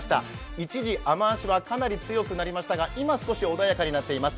一時、雨足はかなり強くなりましたが今は穏やかになっています。